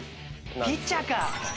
ピッチャーか。